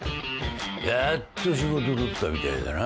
やっと仕事取ったみたいだな。